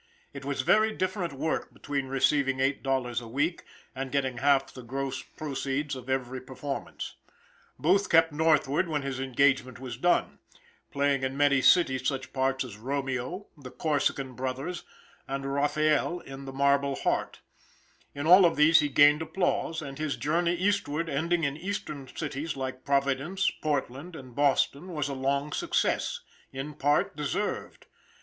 It was very different work between receiving eight dollars a week and getting half the gross proceeds of every performance. Booth kept northward when his engagement was done, playing in many cities such parts as Romeo, the Corsican Brothers, and Raphael in the "Marble Heart;" in all of these he gained applause, and his journey eastward, ending in eastern cities like Providence, Portland, and Boston was a long success, in part deserved.